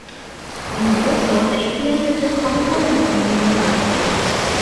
In Warsaw the area has the comical nickname Mordor.